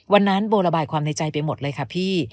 วันนั้นโบระบายความในใจไปหมดเลยค่ะพี่